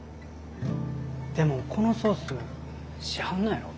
でもこのソース市販のやろ？